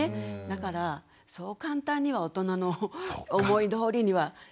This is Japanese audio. だからそう簡単には大人の思いどおりにはならないですよね。